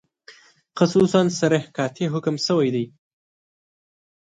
خصوصاً صریح قاطع حکم شوی دی.